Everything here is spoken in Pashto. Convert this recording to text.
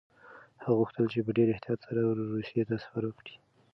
هغه غوښتل چې په ډېر احتیاط سره روسيې ته سفر وکړي.